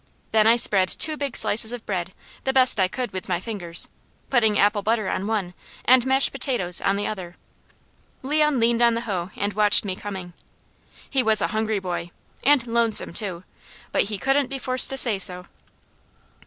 Then I spread two big slices of bread the best I could with my fingers, putting apple butter on one, and mashed potatoes on the other. Leon leaned on the hoe and watched me coming. He was a hungry boy, and lonesome too, but he couldn't be forced to say so.